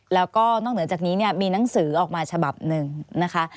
แล้วก็นอกเหนือจากนี้เนี่ยมีหนังสือออกมาฉบับหนึ่งนะคะ